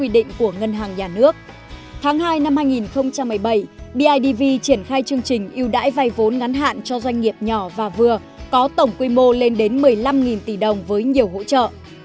tháng hai năm hai nghìn một mươi bảy bidv triển khai chương trình yêu đãi vây vốn ngắn hạn cho doanh nghiệp nhỏ và vừa có tổng quy mô lên đến một mươi năm tỷ đồng với nhiều hỗ trợ